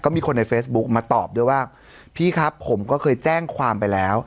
มีคนในเฟซบุ๊กมาตอบด้วยว่าพี่ครับผมก็เคยแจ้งความไปแล้ว